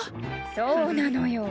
そうなのよ。